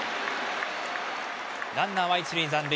ランナーは一塁残塁。